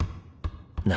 何？